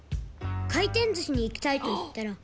「回転寿司に行きたいと言ったら」